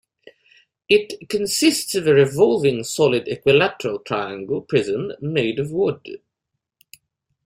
It consists of a revolving solid equilateral triangular prism made of wood.